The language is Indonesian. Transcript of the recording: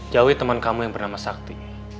jauhi teman kamu yang bernama sakti